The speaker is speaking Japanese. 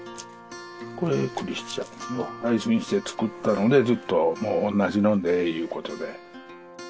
これクリスチャン採寸して作ったのでずっともうおんなじのでいうことで。